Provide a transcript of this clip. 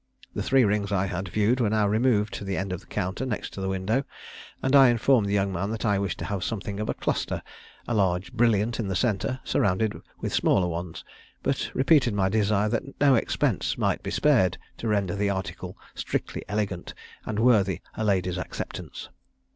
The three rings I had viewed were now removed to the end of the counter next the window, and I informed the young man that I wished to have something of a cluster, a large brilliant in the centre, surrounded with smaller ones; but repeated my desire that no expense might be spared to render the article strictly elegant, and worthy a lady's acceptance.